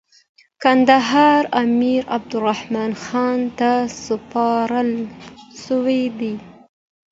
کندهار امیر عبدالرحمن خان ته سپارل سوی دی.